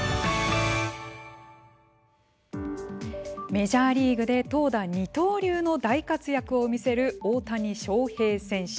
メジャーリーグで投打二刀流の大活躍を見せる大谷翔平選手。